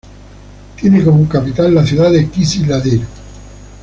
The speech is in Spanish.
Tiene como capital la ciudad de Kizil-Adir.